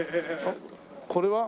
これは？